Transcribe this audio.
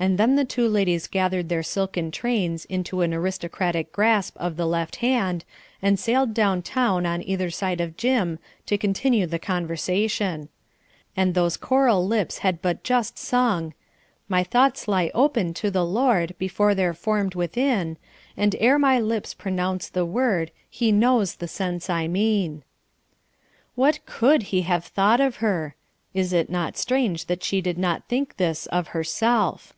And then the two ladies gathered their silken trains into an aristocratic grasp of the left hand, and sailed down town on either side of "Jim" to continue the conversation. And those coral lips had but just sung "My thoughts lie open to the Lord, Before they're formed within; And ere my lips pronounce the word He knows the sense I mean." What could He have thought of her? Is it not strange that she did not ask this of herself.